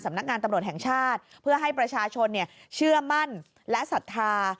นักงานตำรวจแห่งชาติเพื่อให้ประชาชนเชื่อมั่นและศรัทธา